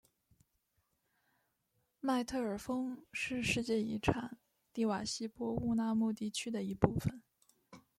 麦特尔峰是世界遗产蒂瓦希波乌纳穆地区的一部分。